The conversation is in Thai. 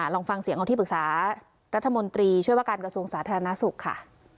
ลองฟังเสียงของที่ปรึกษารัฐมนตรีช่วยว่าการกระทรวงสาธารณสุขค่ะ